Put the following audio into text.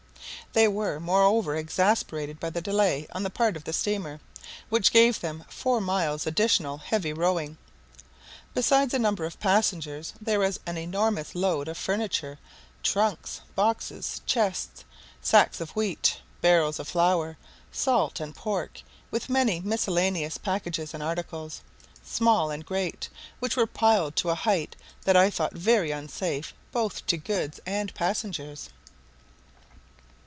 They were moreover exasperated by the delay on the part of the steamer, which gave them four miles additional heavy rowing. Beside a number of passengers there was an enormous load of furniture, trunks, boxes, chests, sacks of wheat, barrels of flour, salt, and pork, with many miscellaneous packages and articles, small and great, which were piled to a height that I thought very unsafe both to goods and passengers.